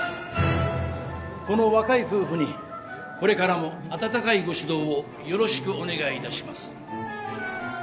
この若い夫婦にこれからも温かいご指導をよろしくお願いいたします。